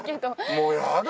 もうやだ。